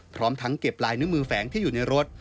พร้อมทั้งเก็บลายนิ้วมือแฝงที่อยู่ในรถ